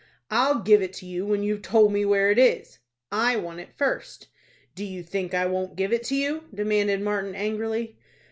"I'll give it to you when you've told me where it is." "I want it first." "Do you think I won't give it to you?" demanded Martin, angrily.